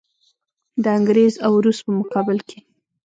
د انګریز او روس په مقابل کې.